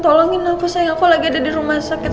tolongin aku sayang aku lagi ada di rumah sakit